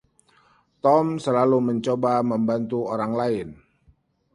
Tom selalu mencoba membantu orang lain.